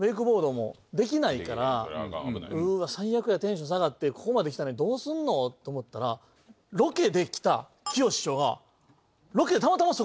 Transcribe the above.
うわ最悪やテンション下がってここまで来たのにどうすんの？と思ったらロケで来たきよし師匠が。